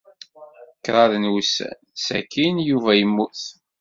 Kṛaḍ n wussan sakin, Yuba yemmut.